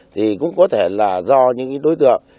thì cũng có thể là do những đối tượng